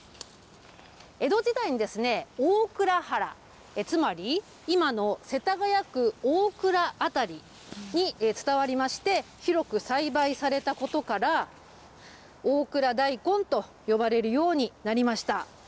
江戸時代に大蔵原、つまり今の世田谷区大蔵辺りに伝わりまして、広く栽培されたことから、大蔵大根と呼ばれるようになりました。